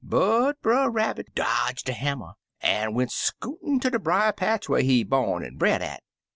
But Brer Rabbit dodge de hammer, an' went scootin' ter de briar patch whar he bom an' bred at.